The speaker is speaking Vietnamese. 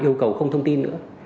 yêu cầu không thông tin nữa